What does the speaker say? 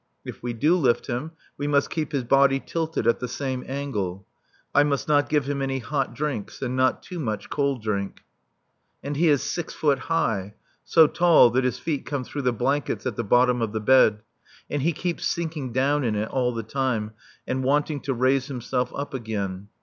If we do lift him we must keep his body tilted at the same angle. I must not give him any hot drinks and not too much cold drink. And he is six foot high, so tall that his feet come through the blankets at the bottom of the bed; and he keeps sinking down in it all the time and wanting to raise himself up again.